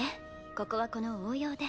ここはこの応用で。